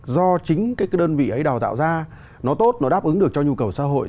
do chính cái đơn vị ấy đào tạo ra nó tốt nó đáp ứng được cho nhu cầu xã hội